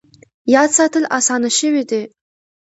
یاد ساتل اسانه شوي دي.